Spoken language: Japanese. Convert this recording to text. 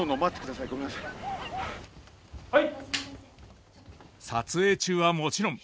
はい。